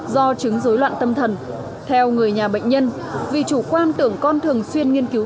do chứng dối loạn tâm thần theo người nhà bệnh nhân vì chủ quan tưởng con thường xuyên nghiên cứu